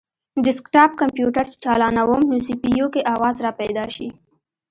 ډیسکټاپ کمپیوټر چې چالانووم نو سي پي یو کې اواز راپیدا شي